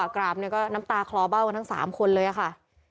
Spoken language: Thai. กราบเนี่ยก็น้ำตาคลอเบ้ากันทั้ง๓คนเลยค่ะ